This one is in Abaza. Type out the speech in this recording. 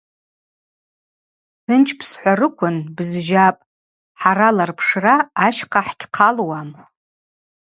Хӏтынчпӏ – схӏварыквын бызжьапӏ, хӏара ларпшра ащхъа хӏгьхъалуам.